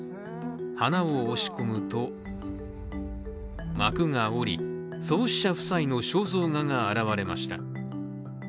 花を押し込むと幕が下り、創始者夫妻の肖像画が現れました。